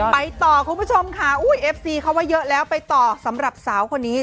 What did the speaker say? ไปต่อคุณผู้ชมค่ะเอฟซีเขาว่าเยอะแล้วไปต่อสำหรับสาวคนนี้